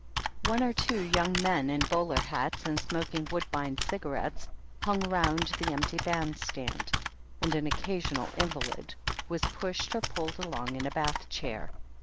One or two young men in bowler hats and smoking Woodbine cigarettes hung round the empty band stand, and an occasional invalid wa^ pushed or pulled along in a bath chair.